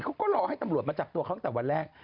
เขาก็รอให้ตำรวจมาจับตัวเขาตั้งแต่วันแรก